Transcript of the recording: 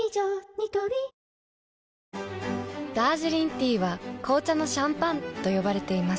ニトリダージリンティーは紅茶のシャンパンと呼ばれています。